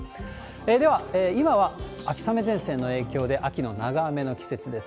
では、今は秋雨前線の影響で、秋の長雨の季節です。